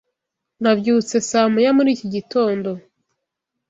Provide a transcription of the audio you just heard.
Nabyutse saa moya muri iki gitondo.